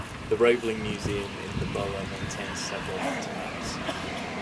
The Roebling Museum in the borough maintains several artifacts.